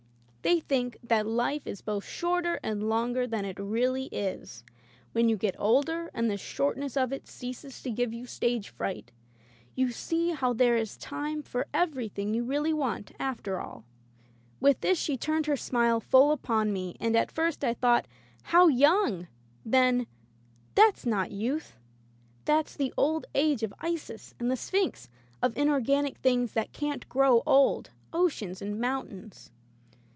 They think that life is both shorter and longer than it really is. When you get older and the short ness of it ceases to give you stage fright, you see how there is time for everything you really want, after all.'* With this she turned her smile full upon me, and at first I thought, "How young!'* Digitized by LjOOQ IC E. Holbrookes Patience then, "That's not youth! That's the old age of Isis and the Sphinx — of inorganic things that can't grow old — oceans and mountains."